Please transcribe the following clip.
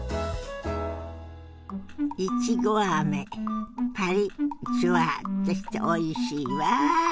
いちごあめパリッジュワッとしておいしいわ！